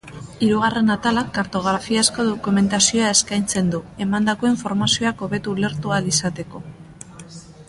Hirugarren atalak kartografiazko dokumentazioa eskaintzen du, emandako informazioak hobeto ulertu ahal izateko.